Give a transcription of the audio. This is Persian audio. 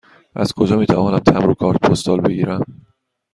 از کجا می توانم تمبر و کارت پستال بگیرم؟